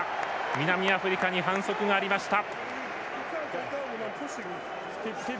南アフリカに反則がありました。